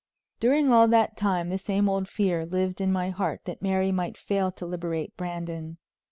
During all that time the same old fear lived in my heart that Mary might fail to liberate Brandon.